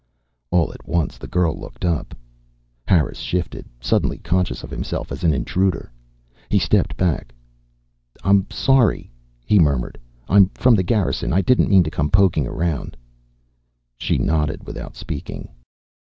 All at once the girl looked up. Harris shifted, suddenly conscious of himself as an intruder. He stepped back. "I'm sorry," he murmured. "I'm from the Garrison. I didn't mean to come poking around." She nodded without speaking.